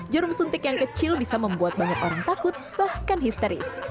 jarum suntik yang kecil bisa membuat banyak orang takut bahkan histeris